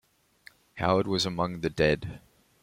Howard, was among the dead.